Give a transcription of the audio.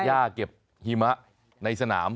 เก็บหญ้าเก็บหิมะในสนาม